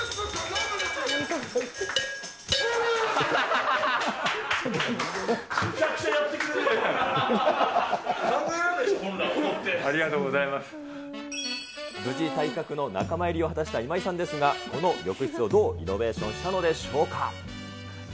考えられないでしょ、こんな踊っ無事、体格の仲間入りを果たした今井さんですが、この浴室をどうリノベーションしたのでしょうか。